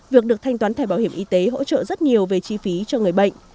việc được thanh toán thẻ bảo hiểm y tế hỗ trợ rất nhiều về chi phí cho người bệnh